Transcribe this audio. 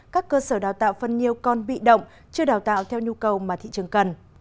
các cơ sở đào tạo phân nhiêu còn bị động chưa đào tạo theo nhu cầu mà thị trường cần